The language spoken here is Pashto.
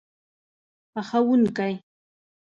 پخوونکی